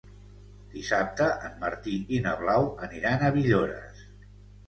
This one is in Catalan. Dissabte en Martí i na Blau aniran a Villores.